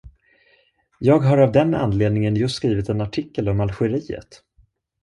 Jag har av den anledningen just skrivit en artikel om Algeriet.